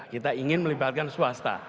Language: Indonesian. kita ingin melibatkan swasta